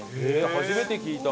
初めて聞いた。